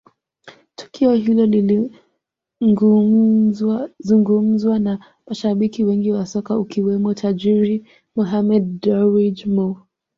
Tukio hilo lilizungumzwa na mashabiki wengi wa soka akiwemo tajiri Mohammed Dewji Mo